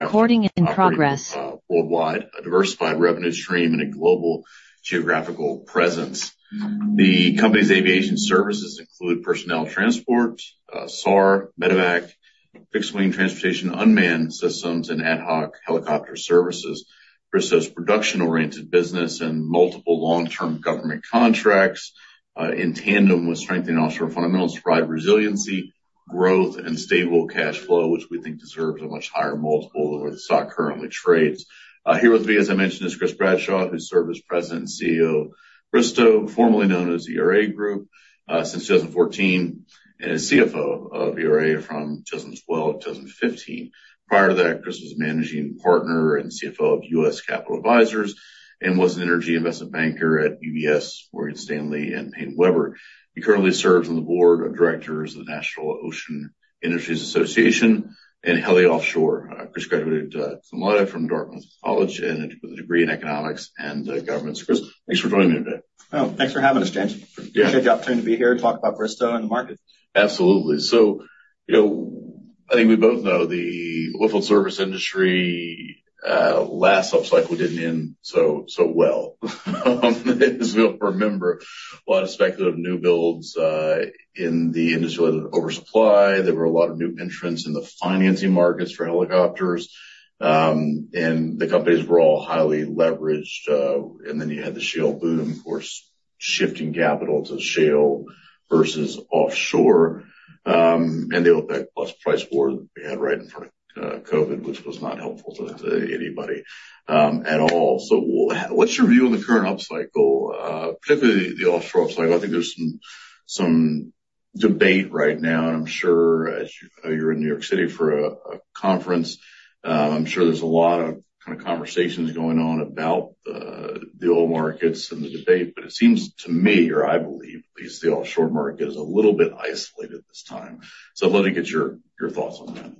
Recording in progress. Worldwide, a diversified revenue stream and a global geographical presence. The company's aviation services include personnel transport, SAR, medevac, fixed-wing transportation, unmanned systems, and ad hoc helicopter services. Bristow's production-oriented business and multiple long-term government contracts, in tandem with strengthening offshore fundamentals, provide resiliency, growth, and stable cash flow, which we think deserves a much higher multiple than where the stock currently trades. Here with me, as I mentioned, is Chris Bradshaw, who served as President and CEO of Bristow, formerly known as Era Group, since two thousand and fourteen, and as CFO of Era from two thousand and twelve to two thousand and fifteen. Prior to that, Chris was Managing Partner and CFO of US Capital Advisors and was an energy investment banker at UBS, Morgan Stanley, and PaineWebber. He currently serves on the board of directors of the National Ocean Industries Association and HeliOffshore. Chris graduated summa cum laude from Dartmouth College, and with a degree in economics and governance. Chris, thanks for joining me today. Oh, thanks for having us, James. Yeah. It's a good opportunity to be here and talk about Bristow and the market. Absolutely. So, you know, I think we both know the oilfield service industry, last upcycle didn't end so, so well. As we all remember, a lot of speculative new builds, in the industry, led to oversupply. There were a lot of new entrants in the financing markets for helicopters, and the companies were all highly leveraged. And then you had the shale boom, of course, shifting capital to shale versus offshore. And the OPEC plus price war that we had right in front of, COVID, which was not helpful to, to anybody, at all. So what's your view on the current upcycle, particularly the offshore upcycle? I think there's some debate right now, and I'm sure as you, you're in New York City for a conference, I'm sure there's a lot of kind of conversations going on about the oil markets and the debate, but it seems to me, or I believe, at least, the offshore market is a little bit isolated this time. So let me get your thoughts on that.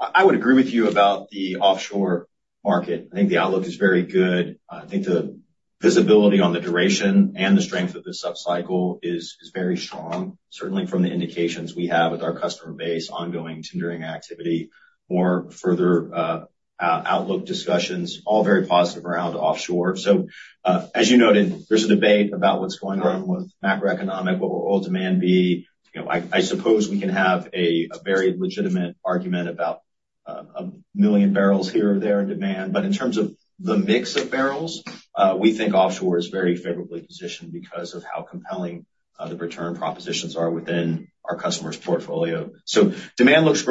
I would agree with you about the offshore market. I think the outlook is very good. I think the visibility on the duration and the strength of this upcycle is very strong, certainly from the indications we have with our customer base, ongoing tendering activity, or further, outlook discussions, all very positive around offshore. So, as you noted, there's a debate about what's going on with macroeconomic, what will oil demand be? You know, I suppose we can have a very legitimate argument about a million barrels here or there in demand, but in terms of the mix of barrels, we think offshore is very favorably positioned because of how compelling the return propositions are within our customer's portfolio. So demand looks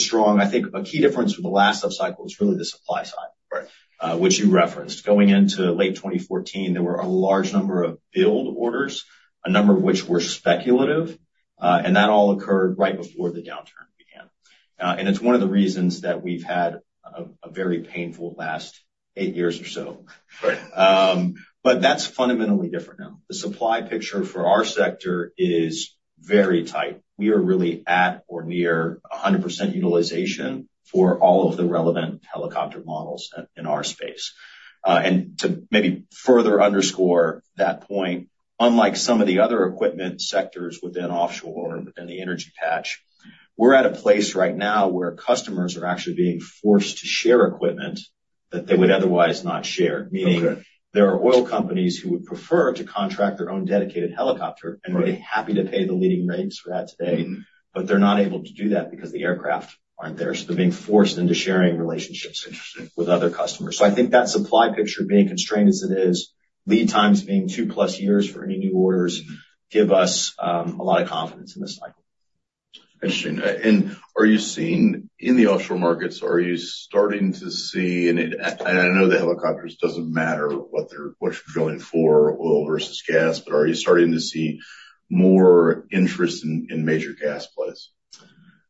strong. I think a key difference from the last upcycle is really the supply side- Right. Which you referenced. Going into late 2014, there were a large number of build orders, a number of which were speculative, and that all occurred right before the downturn began, and it's one of the reasons that we've had a very painful last eight years or so. Right. But that's fundamentally different now. The supply picture for our sector is very tight. We are really at or near 100% utilization for all of the relevant helicopter models in our space. And to maybe further underscore that point, unlike some of the other equipment sectors within offshore and the energy patch, we're at a place right now where customers are actually being forced to share equipment that they would otherwise not share. Okay. Meaning, there are oil companies who would prefer to contract their own dedicated helicopter- Right. and be happy to pay the leading rates for that today, but they're not able to do that because the aircraft aren't there. So they're being forced into sharing relationships. Interesting... with other customers. So I think that supply picture being constrained as it is, lead times being 2+ years for any new orders, give us a lot of confidence in this cycle. Interesting. And are you seeing, in the offshore markets, are you starting to see, and I know the helicopters doesn't matter what you're drilling for, oil versus gas, but are you starting to see more interest in major gas plays?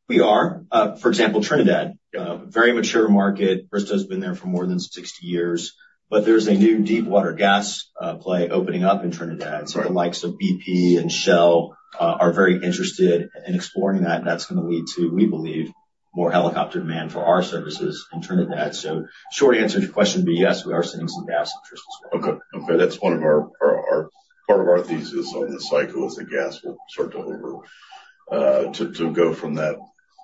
We are. For example, Trinidad. Yeah. Very mature market. Bristow has been there for more than 60 years, but there's a new deepwater gas play opening up in Trinidad. Right. So the likes of BP and Shell are very interested in exploring that. That's gonna lead to, we believe, more helicopter demand for our services in Trinidad. So short answer to your question would be, yes, we are seeing some gas interest as well. Okay. That's one of our part of our thesis on this cycle, is that gas will start to go from that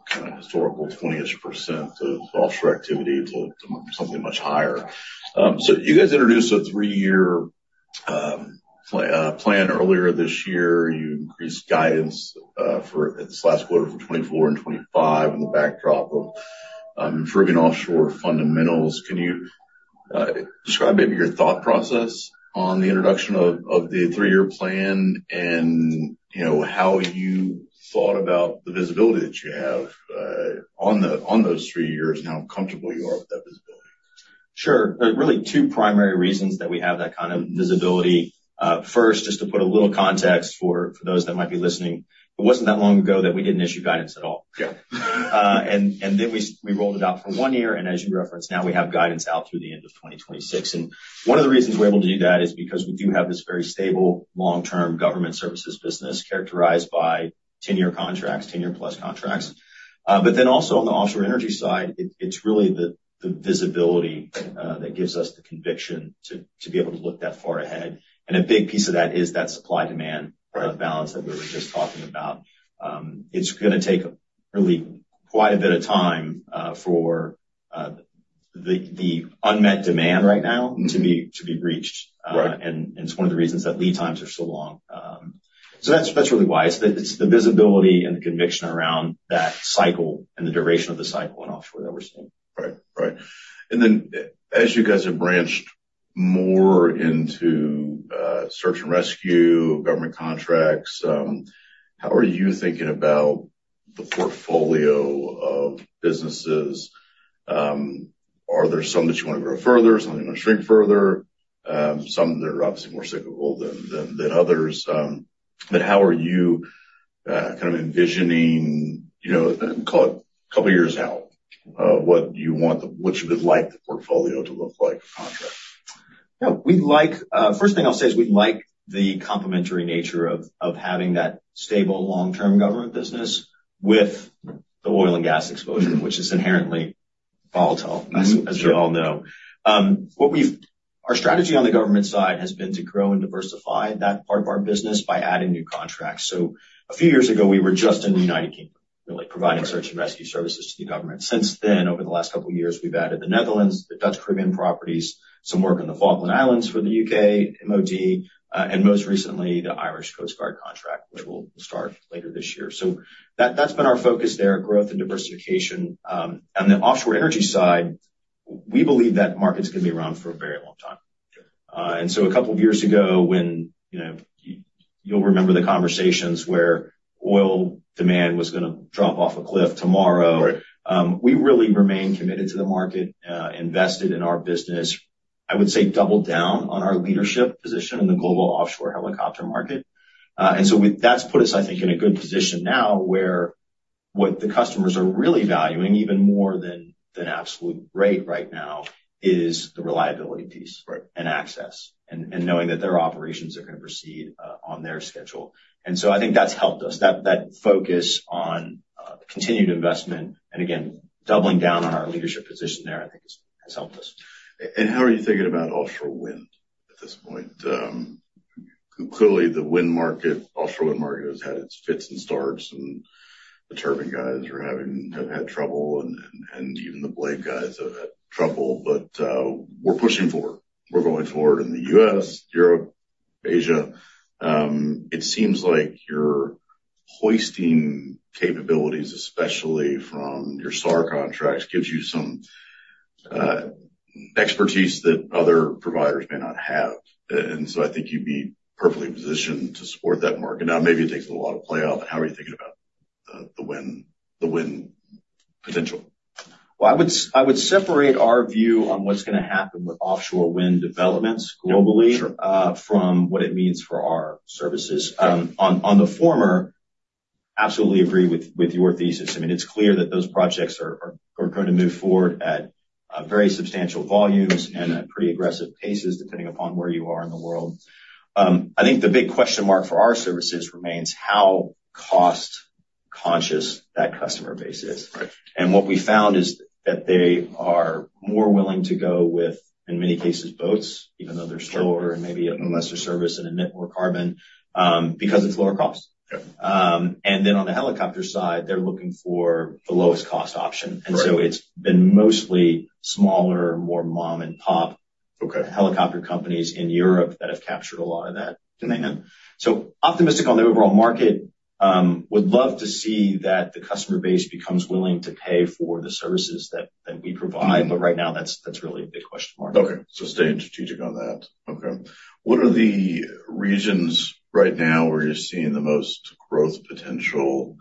kind of historical 20-ish% of offshore activity to something much higher. So you guys introduced a three-year plan earlier this year. You increased guidance for this last quarter from 2024 and 2025 in the backdrop of driven offshore fundamentals. Can you describe maybe your thought process on the introduction of the three-year plan and, you know, how you thought about the visibility that you have on those three years, and how comfortable you are with that visibility? Sure. There are really two primary reasons that we have that kind of visibility. First, just to put a little context for those that might be listening, it wasn't that long ago that we didn't issue guidance at all. Yeah. And then we rolled it out for one year, and as you referenced, now we have guidance out through the end of 2026. And one of the reasons we're able to do that is because we do have this very stable, long-term government services business, characterized by ten-year contracts, ten-year-plus contracts. But then also on the offshore energy side, it's really the visibility that gives us the conviction to be able to look that far ahead. And a big piece of that is that supply-demand- Right Balance that we were just talking about. It's gonna take really quite a bit of time for the unmet demand right now to be reached. Right. It's one of the reasons that lead times are so long. That's really why. It's the visibility and the conviction around that cycle and the duration of the cycle in offshore that we're seeing. Right. Right. And then as you guys have branched more into search and rescue, government contracts, how are you thinking about the portfolio of businesses? Are there some that you want to grow further, some you want to shrink further? Some that are obviously more suitable than others, but how are you kind of envisioning, you know, call it a couple of years out, what you want the—what you would like the portfolio to look like for Bristow? Yeah. We like. First thing I'll say is we like the complementary nature of having that stable, long-term government business with the oil and gas exposure, which is inherently volatile, as you all know. Mm-hmm. Yep. Our strategy on the government side has been to grow and diversify that part of our business by adding new contracts. So a few years ago, we were just in the United Kingdom, really providing search and rescue services to the government. Since then, over the last couple of years, we've added the Netherlands, the Dutch Caribbean properties, some work on the Falkland Islands for the U.K. MOD, and most recently, the Irish Coast Guard contract, which will start later this year. So that's been our focus there, growth and diversification. On the offshore energy side, we believe that market's going to be around for a very long time. Sure. And so a couple of years ago, when, you know, you'll remember the conversations where oil demand was going to drop off a cliff tomorrow. Right. We really remained committed to the market, invested in our business. I would say, doubled down on our leadership position in the global offshore helicopter market. And so that's put us, I think, in a good position now, where what the customers are really valuing, even more than absolute rate right now, is the reliability piece. Right. and access, and knowing that their operations are going to proceed on their schedule. And so I think that's helped us. That focus on continued investment, and again, doubling down on our leadership position there, I think, has helped us. How are you thinking about offshore wind at this point? Clearly, the wind market, offshore wind market, has had its fits and starts, and the turbine guys have had trouble, and even the blade guys have had trouble, but we're pushing forward. We're going forward in the U.S., Europe, Asia. It seems like your hoisting capabilities, especially from your SAR contracts, gives you some expertise that other providers may not have. And so I think you'd be perfectly positioned to support that market. Now, maybe it takes a lot of play off, but how are you thinking about the wind potential? I would separate our view on what's going to happen with offshore wind developments globally. Sure. from what it means for our services. Yeah. On the former, absolutely agree with your thesis. I mean, it's clear that those projects are going to move forward at very substantial volumes and at pretty aggressive paces, depending upon where you are in the world. I think the big question mark for our services remains how cost-conscious that customer base is. Right. What we found is that they are more willing to go with, in many cases, boats, even though they're slower and maybe a lesser service and emit more carbon, because it's lower cost. Yeah. And then on the helicopter side, they're looking for the lowest cost option. Right. And so it's been mostly smaller, more mom-and-pop- Okay. Helicopter companies in Europe that have captured a lot of that demand. So optimistic on the overall market, would love to see that the customer base becomes willing to pay for the services that we provide, but right now, that's really a big question mark. Okay. So stay strategic on that. Okay. What are the regions right now where you're seeing the most growth potential,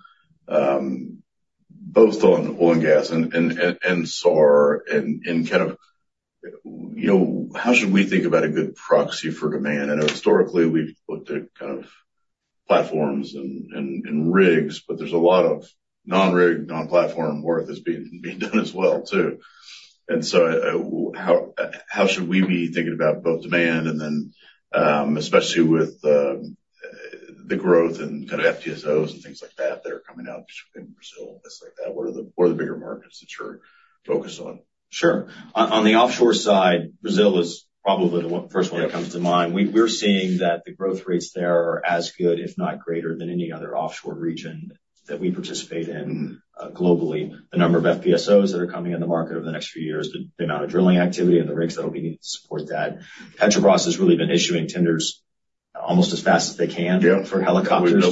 both on oil and gas and SAR, and kind of, you know, how should we think about a good proxy for demand? I know historically, we've looked at kind of platforms and rigs, but there's a lot of non-rig, non-platform work that's being done as well, too. And so, how should we be thinking about both demand and then, especially with the growth in kind of FPSOs and things like that that are coming out in Brazil, things like that. What are the bigger markets that you're focused on? Sure. On the offshore side, Brazil is probably the first one that comes to mind. Yeah. We're seeing that the growth rates there are as good, if not greater, than any other offshore region that we participate in, globally. Mm-hmm. The number of FPSOs that are coming in the market over the next few years, the amount of drilling activity and the rigs that will be needed to support that. Petrobras has really been issuing tenders almost as fast as they can- Yeah. -for helicopters.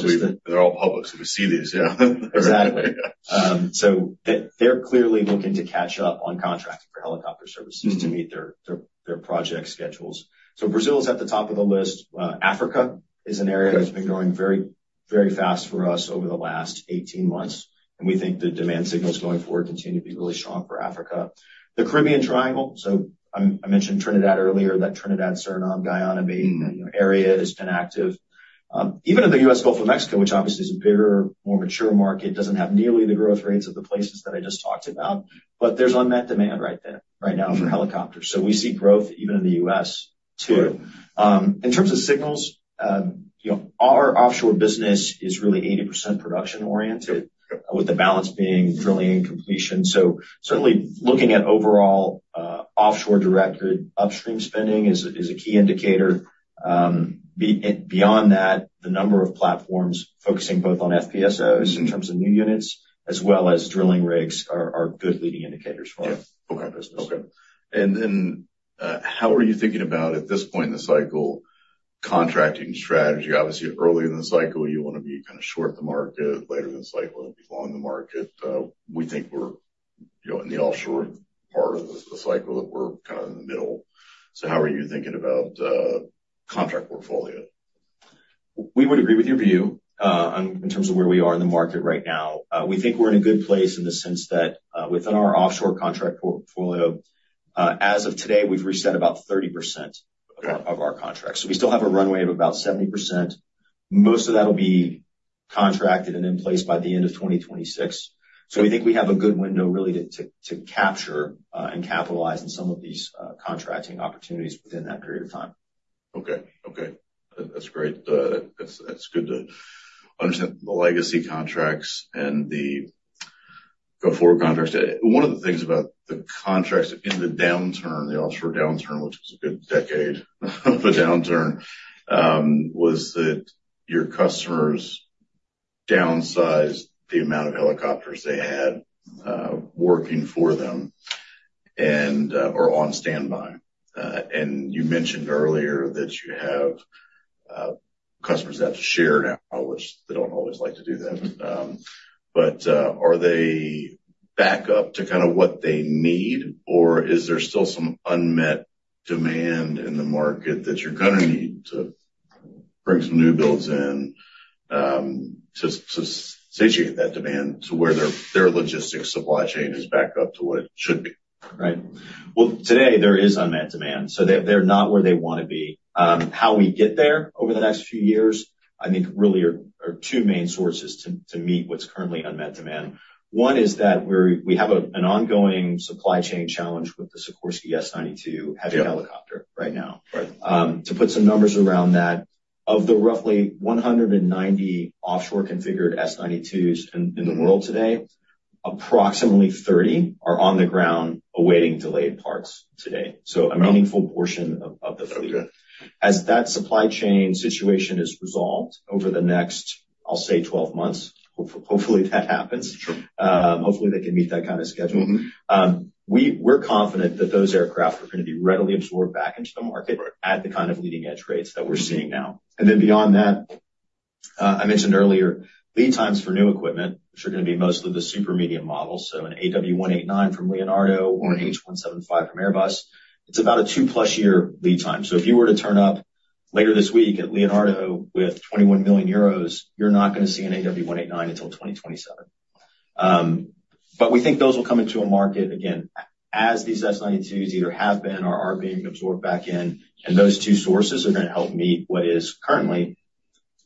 They're all public, so we see these. Yeah. Exactly. Yeah. So they're clearly looking to catch up on contracting for helicopter services- Mm-hmm. to meet their project schedules. So Brazil is at the top of the list. Africa is an area- Yeah That's been growing very, very fast for us over the last eighteen months, and we think the demand signals going forward continue to be really strong for Africa. The Caribbean Triangle, so I mentioned Trinidad earlier, that Trinidad, Suriname, Guyana, maybe- Mm-hmm. Area has been active. Even in the US Gulf of Mexico, which obviously is a bigger, more mature market, doesn't have nearly the growth rates of the places that I just talked about, but there's unmet demand right there, right now for helicopters. Mm-hmm. We see growth even in the U.S., too. Right. In terms of signals, you know, our offshore business is really 80% production-oriented- Yep. -with the balance being drilling and completion. So certainly, looking at overall, offshore-directed upstream spending is a key indicator. Beyond that, the number of platforms focusing both on FPSOs in terms of new units as well as drilling rigs are good leading indicators for our business. Okay. And then, how are you thinking about, at this point in the cycle, contracting strategy? Obviously, earlier in the cycle, you want to be kind of short the market, later in the cycle, you want to be long the market. We think we're, you know, in the offshore part of the cycle, that we're kind of in the middle. So how are you thinking about, contract portfolio? We would agree with your view, in terms of where we are in the market right now. We think we're in a good place in the sense that, within our offshore contract portfolio, as of today, we've reset about 30% of our contracts, so we still have a runway of about 70%. Most of that will be contracted and in place by the end of 2026, so we think we have a good window really to capture and capitalize on some of these contracting opportunities within that period of time. Okay. Okay, that's great. That's good to understand the legacy contracts and the go-forward contracts. One of the things about the contracts in the downturn, the offshore downturn, which was a good decade of a downturn, was that your customers downsized the amount of helicopters they had working for them and or on standby. And you mentioned earlier that you have customers that have to share now, which they don't always like to do that. But are they back up to kind of what they need, or is there still some unmet demand in the market that you're going to need to bring some new builds in to satiate that demand to where their logistics supply chain is back up to what it should be? Right. Well, today, there is unmet demand, so they, they're not where they want to be. How we get there over the next few years, I think really are two main sources to meet what's currently unmet demand. One is that we have an ongoing supply chain challenge with the Sikorsky S-92 heavy helicopter right now. Right. To put some numbers around that, of the roughly one hundred and ninety offshore configured S-92s in the world today, approximately thirty are on the ground awaiting delayed parts today. Wow. So a meaningful portion of the fleet. Okay. As that supply chain situation is resolved over the next, I'll say, 12 months, hopefully, that happens. Sure. Hopefully, they can meet that kind of schedule. Mm-hmm. We're confident that those aircraft are going to be readily absorbed back into the market- Right... at the kind of leading-edge rates that we're seeing now. And then beyond that, I mentioned earlier, lead times for new equipment, which are going to be mostly the super medium models, so an AW189 from Leonardo or an H175 from Airbus, it's about a two-plus year lead time. So if you were to turn up later this week at Leonardo with 21 million euros, you're not going to see an AW189 until 2027. But we think those will come into a market, again, as these S-92s either have been or are being absorbed back in, and those two sources are going to help meet what is currently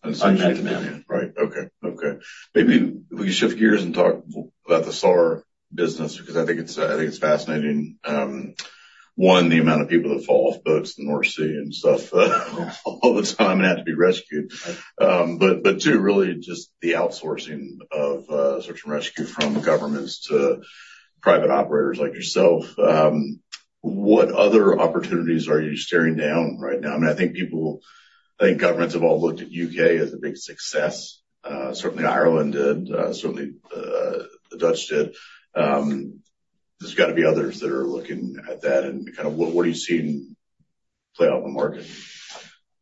unmet demand. Right. Okay. Maybe we can shift gears and talk about the SAR business, because I think it's fascinating, one, the amount of people that fall off boats in the North Sea and stuff all the time and have to be rescued. But two, really, just the outsourcing of search and rescue from governments to private operators like yourself. What other opportunities are you staring down right now? I mean, I think people, I think governments have all looked at U.K. as a big success. Certainly Ireland did, certainly the Dutch did. There's got to be others that are looking at that, and kind of what are you seeing play out in the market?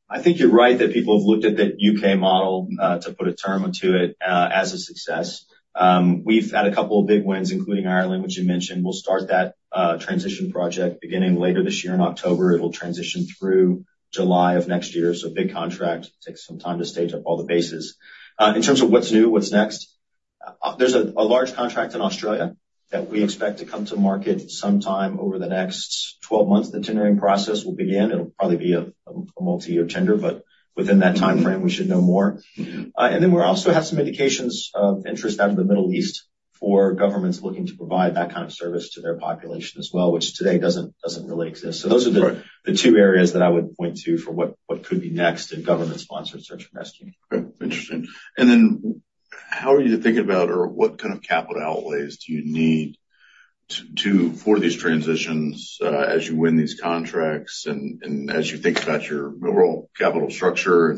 I think you're right, that people have looked at the UK model, to put a term to it, as a success. We've had a couple of big wins, including Ireland, which you mentioned. We'll start that, transition project beginning later this year in October. It'll transition through July of next year. So big contract, takes some time to stage up all the bases. In terms of what's new, what's next, there's a large contract in Australia that we expect to come to market sometime over the next 12 months. The tendering process will begin. It'll probably be a multi-year tender, but within that timeframe, we should know more. Mm-hmm. And then we also have some indications of interest out of the Middle East for governments looking to provide that kind of service to their population as well, which today doesn't really exist. Right. So those are the two areas that I would point to for what could be next in government-sponsored search and rescue. Okay, interesting. And then how are you thinking about, or what kind of capital outlays do you need for these transitions, as you win these contracts and as you think about your overall capital structure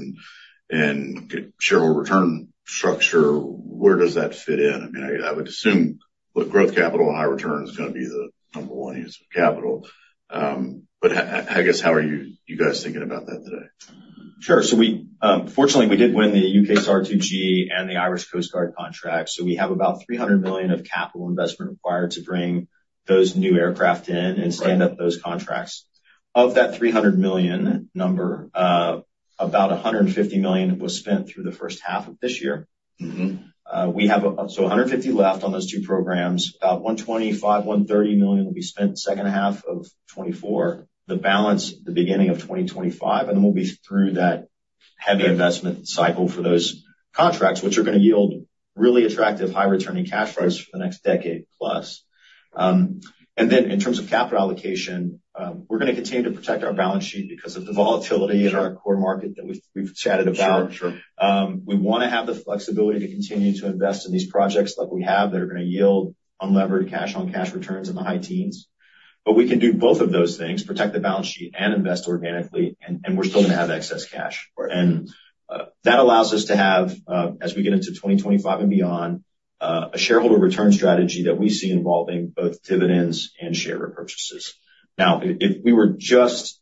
and shareholder return structure, where does that fit in? I mean, I would assume the growth capital and high return is going to be the number one use of capital. But I guess, how are you guys thinking about that today? Sure. So we, fortunately, we did win the UKSAR2G and the Irish Coast Guard contract, so we have about $300 million of capital investment required to bring those new aircraft in- Right... and stand up those contracts. Of that $300 million number, about $150 million was spent through the first half of this year. Mm-hmm. We have 150 left on those two programs. About $125-$130 million will be spent second half of 2024, the balance the beginning of 2025, and then we'll be through that heavy investment cycle for those contracts, which are going to yield really attractive, high returning cash flows for the next decade plus, and then in terms of capital allocation, we're going to continue to protect our balance sheet because of the volatility. Sure... in our core market that we've chatted about. Sure, sure. We want to have the flexibility to continue to invest in these projects like we have, that are going to yield unlevered cash on cash returns in the high teens. But we can do both of those things, protect the balance sheet and invest organically, and we're still going to have excess cash. Right. That allows us to have, as we get into 2025 and beyond, a shareholder return strategy that we see involving both dividends and share repurchases. Now, if we were just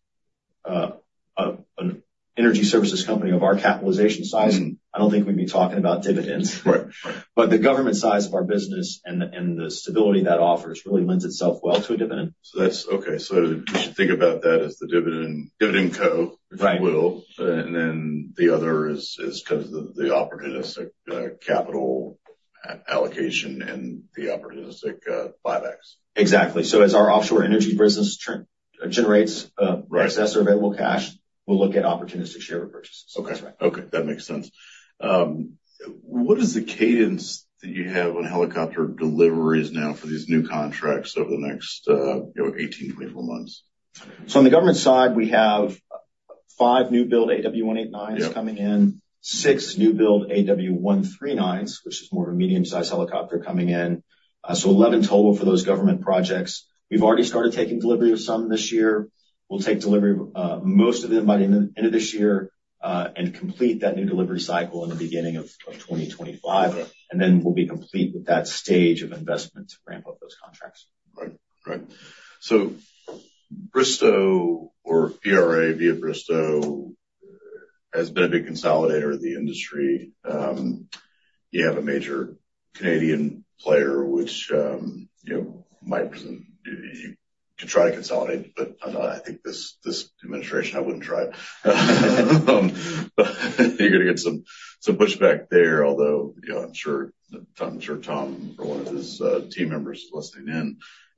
an energy services company of our capitalization size, I don't think we'd be talking about dividends. Right. But the government side of our business and the stability that offers really lends itself well to a dividend. We should think about that as the dividend, dividend co, if you will. Right. And then the other is kind of the opportunistic capital allocation and the opportunistic buybacks. Exactly. So as our offshore energy business generates, Right. excess or available cash, we'll look at opportunistic share purchases. Okay. That's right. Okay, that makes sense. What is the cadence that you have on helicopter deliveries now for these new contracts over the next, you know, 18 to 24 months? So on the government side, we have five new build AW189s- Yep. -coming in, six new build AW139s, which is more of a medium-sized helicopter coming in. So 11 total for those government projects. We've already started taking delivery of some this year. We'll take delivery, most of them by the end of this year, and complete that new delivery cycle in the beginning of 2025. Right. And then we'll be complete with that stage of investment to ramp up those contracts. Right. Right. So Bristow or Era via Bristow has been a big consolidator of the industry. You have a major Canadian player, which, you know, might present - you could try to consolidate, but I think this administration, I wouldn't try. But you're gonna get some pushback there, although, you know, I'm sure Tom or one of his team members is listening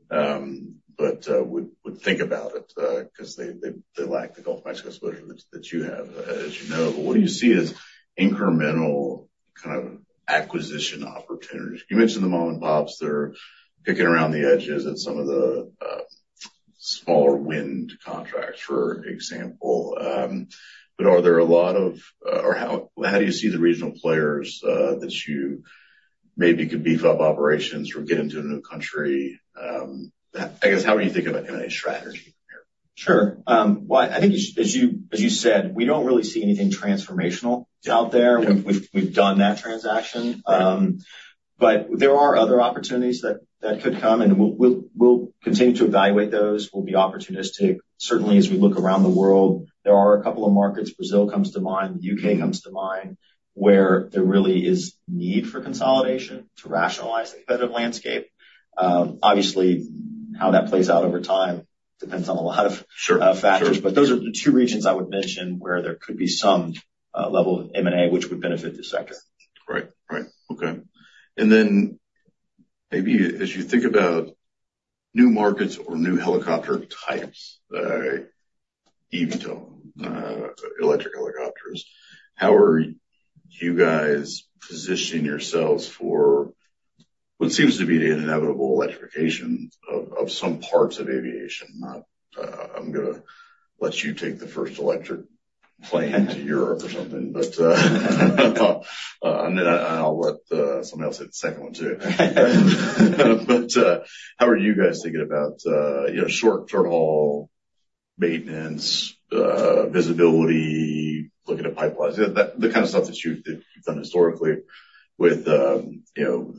in, but would think about it, because they lack the Gulf of Mexico exposure that you have, as you know. But what do you see as incremental kind of acquisition opportunities? You mentioned the mom and pops that are picking around the edges at some of the smaller wind contracts, for example. But are there a lot of, or how do you see the regional players that you maybe could beef up operations or get into a new country? I guess, how do you think about M&A strategy from here? Sure. Well, I think as you, as you said, we don't really see anything transformational out there. Yep. We've done that transaction. But there are other opportunities that could come, and we'll continue to evaluate those. We'll be opportunistic. Certainly, as we look around the world, there are a couple of markets, Brazil comes to mind, the UK comes to mind, where there really is need for consolidation to rationalize the competitive landscape. Obviously, how that plays out over time depends on a lot of- Sure. -uh, factors. Sure. But those are the two regions I would mention where there could be some level of M&A, which would benefit the sector. Right. Right. Okay. And then maybe as you think about new markets or new helicopter types, eVTOL, electric helicopters, how are you guys positioning yourselves for what seems to be the inevitable electrification of some parts of aviation? Not, I'm gonna let you take the first electric plane to Europe or something, but. And then I'll let someone else take the second one, too. But, how are you guys thinking about, you know, short-term haul, maintenance, visibility, looking at pipelines? The kind of stuff that you've done historically with, you know,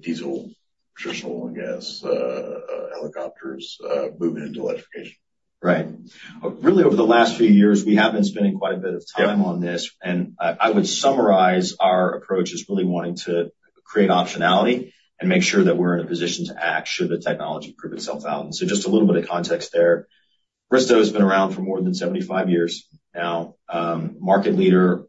diesel, traditional, I guess, helicopters, moving into electrification. Right. Really, over the last few years, we have been spending quite a bit of time on this- Yep. And I would summarize our approach as really wanting to create optionality and make sure that we're in a position to act, should the technology prove itself out. So just a little bit of context there. Bristow has been around for more than 75 years now. Market leader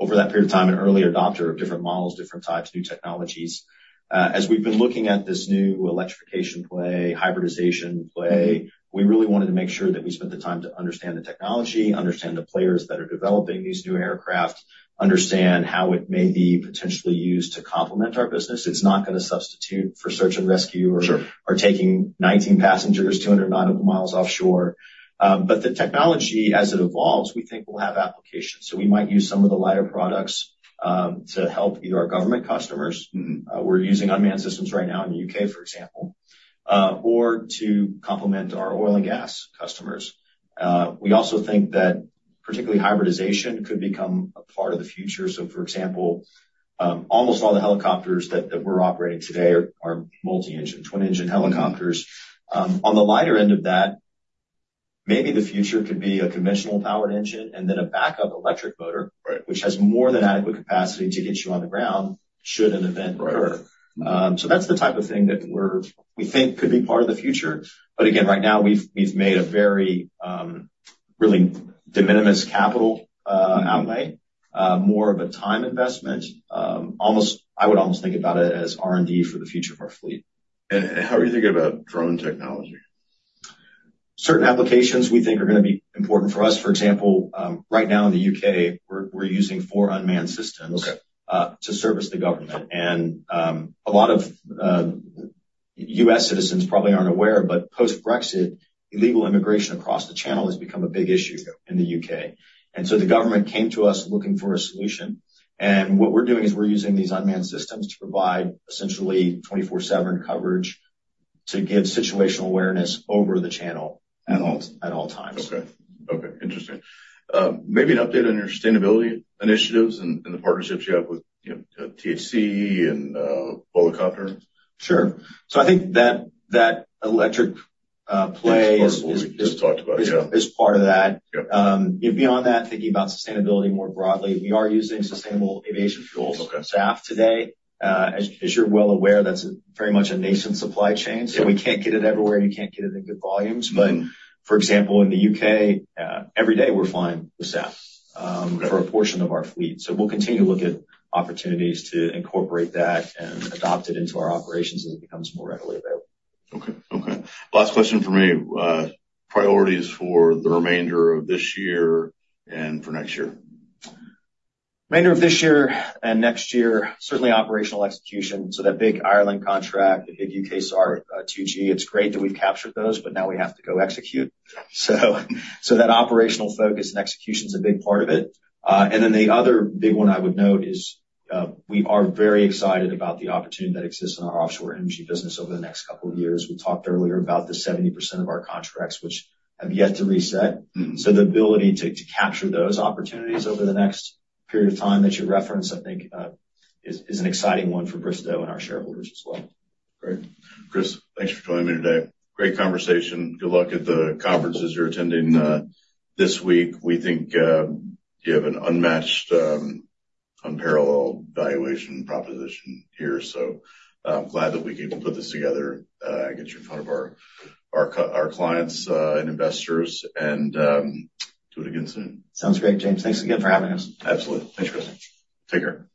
over that period of time, an early adopter of different models, different types, new technologies. As we've been looking at this new electrification play, hybridization play, we really wanted to make sure that we spent the time to understand the technology, understand the players that are developing these new aircraft, understand how it may be potentially used to complement our business. It's not gonna substitute for search and rescue- Sure. -or taking 19 passengers 200 nautical miles offshore, but the technology, as it evolves, we think will have applications, so we might use some of the lighter products to help either our government customers- Mm-hmm. We're using unmanned systems right now in the U.K., for example, or to complement our oil and gas customers. We also think that particularly hybridization could become a part of the future. So for example, almost all the helicopters that we're operating today are multi-engine, twin-engine helicopters. On the lighter end of that, maybe the future could be a conventional powered engine and then a backup electric motor. Right. which has more than adequate capacity to get you on the ground should an event occur. Right. So that's the type of thing that we think could be part of the future. But again, right now, we've made a very really de minimis capital outlay, more of a time investment. I would almost think about it as R&D for the future of our fleet. How are you thinking about drone technology? Certain applications we think are gonna be important for us. For example, right now in the U.K., we're using four unmanned systems- Okay. To service the government. And a lot of U.S. citizens probably aren't aware, but post-Brexit, illegal immigration across the channel has become a big issue in the U.K. And so the government came to us looking for a solution, and what we're doing is we're using these unmanned systems to provide essentially 24/7 coverage to give situational awareness over the channel at all times. Okay. Okay, interesting. Maybe an update on your sustainability initiatives and the partnerships you have with, you know, THC and Volocopter? Sure. So I think that electric play- Which is part of what we just talked about, yeah. Is part of that. Yep. And beyond that, thinking about sustainability more broadly, we are using sustainable aviation fuels- Okay. SAF today. As you're well aware, that's very much a nascent supply chain. Yep. So we can't get it everywhere, and you can't get it in good volumes. Mm-hmm. But for example, in the U.K., every day we're flying with SAF- Okay... for a portion of our fleet. So we'll continue to look at opportunities to incorporate that and adopt it into our operations as it becomes more readily available. Okay. Okay. Last question from me. Priorities for the remainder of this year and for next year? Remainder of this year and next year, certainly operational execution. So that big Ireland contract, the big UKSAR2G, it's great that we've captured those, but now we have to go execute. So that operational focus and execution is a big part of it. And then the other big one I would note is, we are very excited about the opportunity that exists in our offshore energy business over the next couple of years. We talked earlier about the 70% of our contracts, which have yet to reset. Mm-hmm. So the ability to capture those opportunities over the next period of time that you referenced, I think, is an exciting one for Bristow and our shareholders as well. Great. Chris, thanks for joining me today. Great conversation. Good luck at the conferences you're attending this week. We think you have an unmatched unparalleled valuation proposition here, so I'm glad that we were able to put this together and get you in front of our clients and investors, and do it again soon. Sounds great, James. Thanks again for having us. Absolutely. Thanks, Chris. Take care.